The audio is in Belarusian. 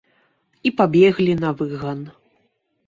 І пабеглі на выган.